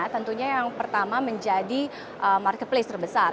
tentunya yang pertama menjadi marketplace terbesar